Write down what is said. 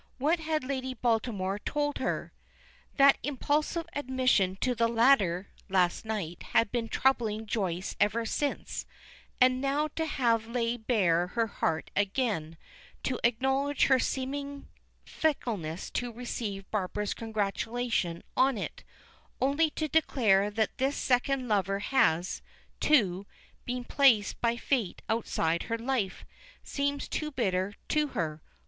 What had Lady Baltimore told her? That impulsive admission to the latter last night had been troubling Joyce ever since, and now to have to lay bare her heart again, to acknowledge her seeming fickleness, to receive Barbara's congratulation on it, only to declare that this second lover has, too, been placed by Fate outside her life, seems too bitter to her.